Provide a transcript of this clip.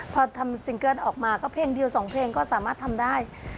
พอทำซิงเกิ้ลออกมาก็เพลงเดียวสองเพลงก็สามารถทำได้